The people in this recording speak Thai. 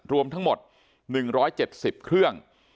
รวมทั้งหมดหนึ่งร้อยเจ็ดสิบเครื่อง